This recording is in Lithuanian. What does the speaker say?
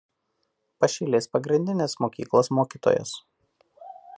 Pašilės pagrindinės mokyklos mokytojas.